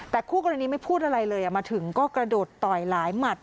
แต่คู่กรณีไม่พูดอะไรเลยมาถึงก็กระโดดต่อยหลายหมัด